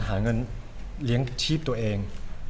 หาเงินเลี้ยงชีพตัวเอง